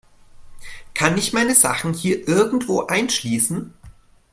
Kann ich meine Sachen hier irgendwo einschließen?